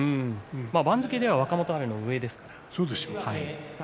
番付では若元春の方が上ですから。